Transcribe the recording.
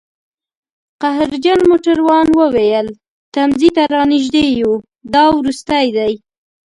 قهرجن موټروان وویل: تمځي ته رانژدي یوو، دا وروستی دی